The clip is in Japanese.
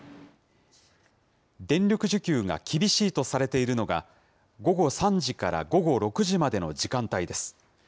電力需給が厳しいとされているのが、午後３時から午後６時までの時間帯です。